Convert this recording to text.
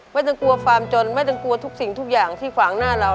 ไม่ต้องกลัวฟาร์มจนไม่ต้องกลัวทุกสิ่งทุกอย่างที่ขวางหน้าเรา